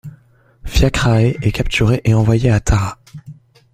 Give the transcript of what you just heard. Fiachrae est capturé et envoyé à Tara.